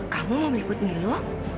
kamu mau meliput milo